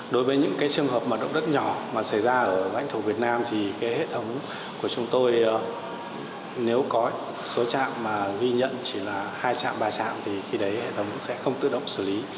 đối với những cái trường hợp mà động đất nhỏ mà xảy ra ở vách thổ việt nam thì cái hệ thống của chúng tôi nếu có số trạm mà ghi nhận chỉ là hai trạm ba trạm thì khi đấy hệ thống sẽ không tự động xử lý